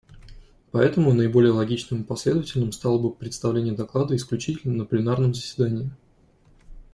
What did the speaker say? Поэтому наиболее логичным и последовательным стало бы представление доклада исключительно на пленарном заседании.